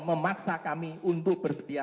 memaksa kami untuk bersedia